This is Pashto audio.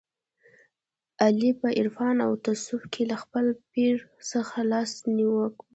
علي په عرفان او تصوف کې له خپل پیر څخه لاس نیوی وکړ.